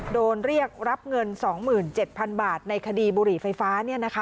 โดนเรียกรับเงิน๒๗๐๐๐บาทในคดีบุหรี่ไฟฟ้า